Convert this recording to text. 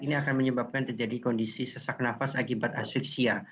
ini akan menyebabkan terjadi kondisi sesak nafas akibat asriksia